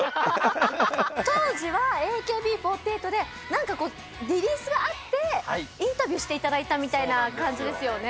当時は、ＡＫＢ４８でなんかリリースがあって、インタビューしていただいたみたいな感じですよね。